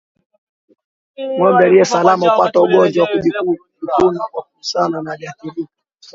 Ngombe aliye salama hupata ugonjwa wa kujikuna kwa kugusana na aliyeathirika